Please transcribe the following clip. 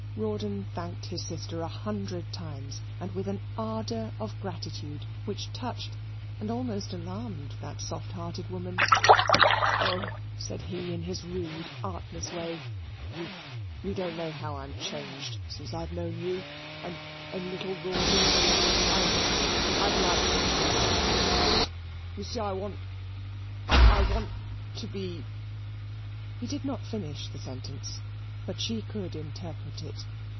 Rawdon thanked his sister a hundred times, and with an ardour of gratitude which touched and almost alarmed that soft hearted woman. "Oh," said he, in his rude, artless way, "you you don't know how I'm changed since I've known you, and and little Rawdy. I I'd like to change somehow. You see I want I want to be " He did not finish the sentence, but she could interpret it.